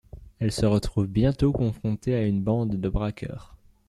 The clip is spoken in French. Elles se retrouvent bientôt confrontées à une bande de braqueurs.